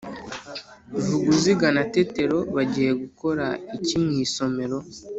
Vuguziga na Tetero bagiye gukora iki mu isomero?